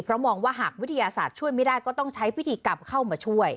เพราะมองว่าหากวิทยาศาสตร์ช่วยไม่ได้ก็ต้องใช้พิธีกรรมเข้ามาช่วย